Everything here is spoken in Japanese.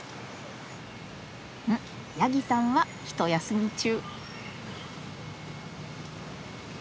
うんヤギさんはひと休み中。